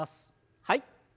はい。